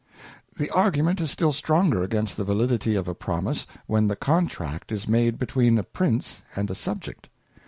The Argument is still stronger against the Validity of a Promise, when the Contract is made between a Prince and a Subject.